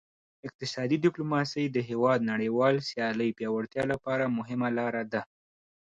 اقتصادي ډیپلوماسي د هیواد نړیوال سیالۍ پیاوړتیا لپاره مهمه لار ده